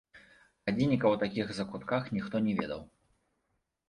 Гадзінніка ў такіх закутках ніхто не ведаў.